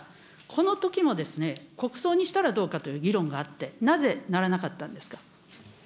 このときも国葬にしたらどうかという議論があって、なぜならなかったんですか。